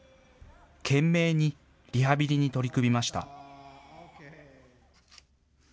懸命にリハビリに取り組みました。